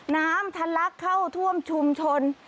น้ำทันลักษณ์เข้าท่วมชุมชน